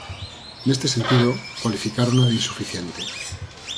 Neste sentido, cualificárona de insuficiente.